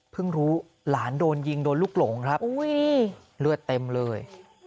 รู้หลานโดนยิงโดนลูกหลงครับเลือดเต็มเลย